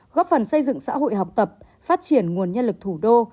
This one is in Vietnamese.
góp phần xây dựng xã hội học tập phát triển nguồn nhân lực thủ đô